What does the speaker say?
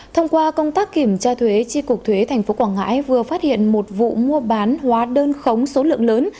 thông qua công tác kiểm tra thuế tri cục thuế tp quảng ngãi vừa phát hiện một vụ mua bán hóa đơn khống số lượng lớn